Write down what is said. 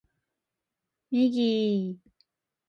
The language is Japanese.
ミギー